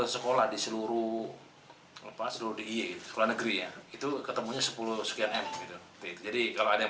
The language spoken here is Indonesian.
sekolah di seluruh lepas dulu di sekolah negeri ya itu ketemunya sepuluh sekian m jadi kalau ada yang